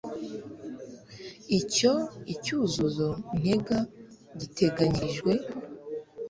icyo icyuzuzo ntega giteganyirijwe